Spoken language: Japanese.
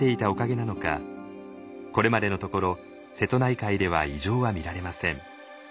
これまでのところ瀬戸内海では異常は見られません。